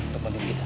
untuk bantuin kita